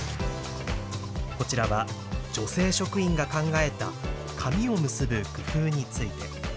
こちらは女性職員が考えた髪を結ぶ工夫について。